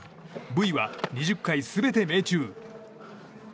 ブイは２０回全て命中。